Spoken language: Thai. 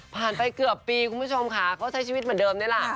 ไปเกือบปีคุณผู้ชมค่ะเขาใช้ชีวิตเหมือนเดิมนี่แหละ